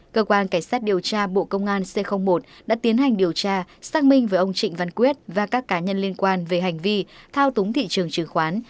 cơ quan cảnh sát điều tra bộ công an c một đã tiến hành điều tra xác minh với ông trịnh văn quyết và các cá nhân liên quan về hành vi thao túng thị trường chứng khoán